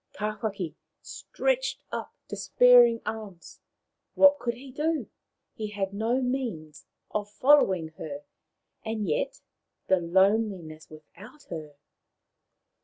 Tawhaki stretched up despairing arms. What Tawhaki's Climb 37 could he do ? He had no means of following her. And yet, the loneliness without her